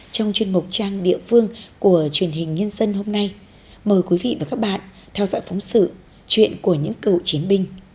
trong chuyên mục trang địa phương của truyền hình nhân dân hôm nay mời quý vị và các bạn theo dõi phóng sự chuyện của những cựu chiến binh